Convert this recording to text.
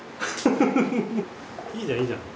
いいじゃんいいじゃん。